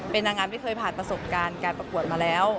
เป็นนางงามที่เคยผ่านประสบการณ์การประกวดมาแล้ว